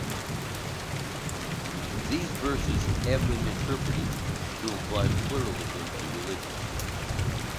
These verses have been interpreted to imply pluralism in religions.